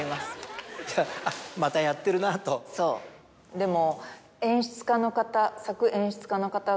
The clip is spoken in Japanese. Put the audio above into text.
でも。